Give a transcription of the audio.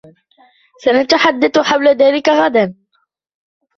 سنتحدث حول ذلك غداً.